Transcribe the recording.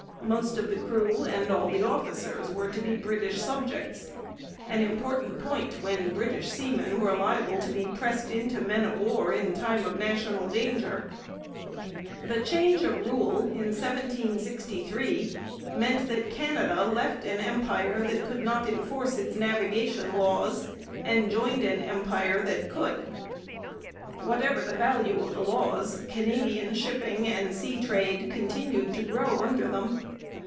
Most of the crew and all the officers were to be British subjects an important point when British seamen were liable to be 'pressed' into men of war in time of national danger. The change of rule in 1763 meant that Canada left an empire that could not enforce its navigation laws and joined an empire that could. Whatever the value of the laws, Canadian shipping and sea trade continued to grow under them.